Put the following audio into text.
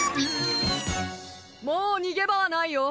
もう逃げ場はないよ。